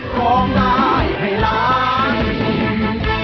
ข้ามเพลงนี้ไปเลยครับ